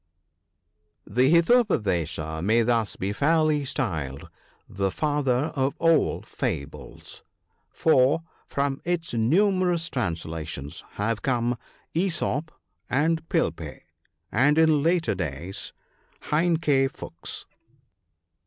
The "Hitopa desa" may thus be fairly styled "The Father of all Fables ;" for from its numerous translations have come X PREFACE. Esop and Pilpay, and in latter days "Reineke Fuchs."